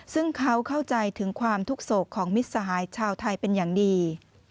ซึ่งเขาเข้าใจถึงความทุกข์โศกของมิตรสหายชาวไทยเป็นอย่างดี